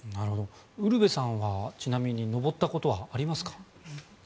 ウルヴェさんはちなみに登ったことはありますか？